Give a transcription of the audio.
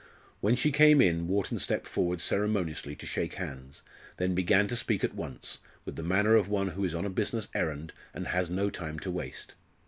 When she came in Wharton stepped forward ceremoniously to shake hands, then began to speak at once, with the manner of one who is on a business errand and has no time to waste.